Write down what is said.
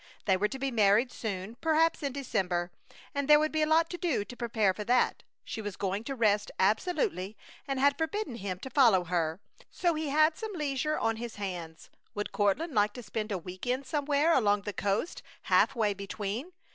They were to be married soon, perhaps in December, and there would be a lot to do to prepare for that. She was going to rest absolutely, and had forbidden him to follow her, so he had some leisure on his hands. Would Courtland like to spend a week end somewhere along the coast half way between?